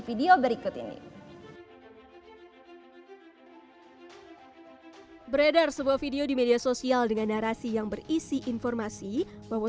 video berikut ini beredar sebuah video di media sosial dengan narasi yang berisi informasi bahwa